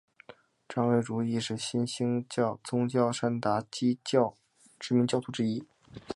张瑞竹亦是新兴宗教山达基教知名教徒之一。